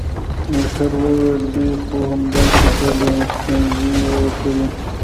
ډاکتر وويل دى خو همدا شېبه له انستيزي وتلى.